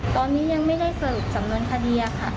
ตอนนี้ยังไม่ได้สรุปสำนวนคดีค่ะ